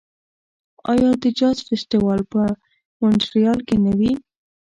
آیا د جاز فستیوال په مونټریال کې نه وي؟